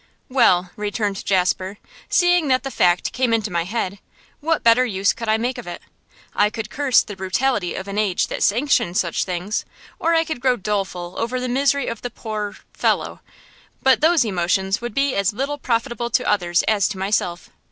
'Well,' returned Jasper, 'seeing that the fact came into my head, what better use could I make of it? I could curse the brutality of an age that sanctioned such things; or I could grow doleful over the misery of the poor fellow. But those emotions would be as little profitable to others as to myself.